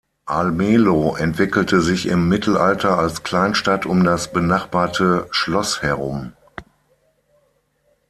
Almelo entwickelte sich im Mittelalter als Kleinstadt um das benachbarte Schloss herum.